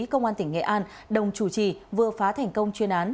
công an tỉnh nghệ an đồng chủ trì vừa phá thành công chuyên án